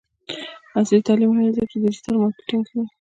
عصري تعلیم مهم دی ځکه چې د ډیجیټل مارکیټینګ ښيي.